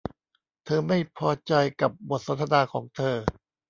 เธอไม่พอใจกับบทสนทนาของเธอ